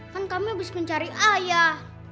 kan kami habis mencari ayah